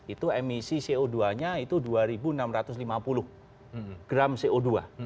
itu emisi co dua nya itu dua enam ratus lima puluh gram co dua